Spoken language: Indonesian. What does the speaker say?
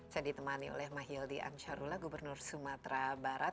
saya ditemani oleh mahyildi ansarullah gubernur sumatera barat